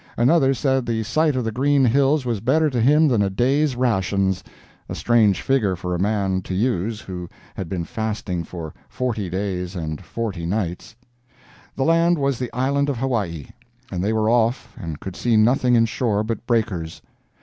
Another said the sight of the green hills was better to him than a day's rations, a strange figure for a man to use who had been fasting for forty days and forty nights. The land was the island of Hawaii, and they were off and could see nothing in shore but breakers.